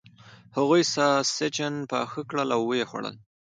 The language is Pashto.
هغوی ساسچن پاخه کړل او و یې خوړل.